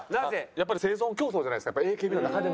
やっぱり生存競争じゃないですかＡＫＢの中でも。